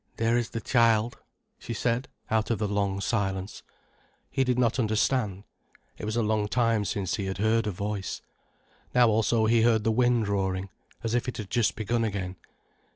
"There is the child," she said, out of the long silence. He did not understand. It was a long time since he had heard a voice. Now also he heard the wind roaring, as if it had just begun again.